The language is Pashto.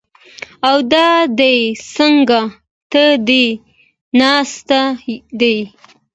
او دا دی څنګ ته دې ناست دی!